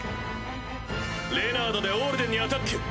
レナードでオールデンにアタック！